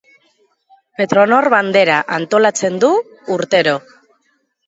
Petronor Bandera antolatzen du urtero.